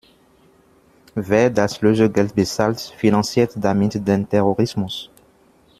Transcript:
Wer das Lösegeld bezahlt, finanziert damit den Terrorismus.